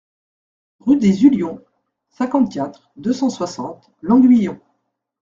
Rue des Ullions, cinquante-quatre, deux cent soixante Longuyon